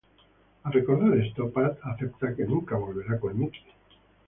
Al recordar esto, Pat acepta que nunca volverá con Nikki.